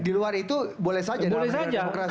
di luar itu boleh saja dalam sejarah demokrasi